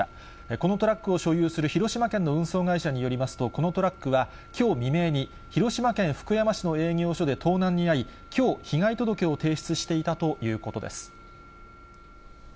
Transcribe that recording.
このトラックを所有する広島県の運送会社によりますと、このトラックはきょう未明に、広島県福山市の営業所で盗難に遭い、きょう、被害届を提出していたということです。